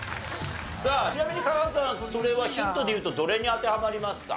さあちなみに加賀さんそれはヒントでいうとどれに当てはまりますか？